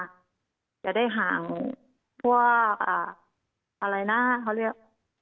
ที่จะได้ห่างเพราะอะไรนะเสมอ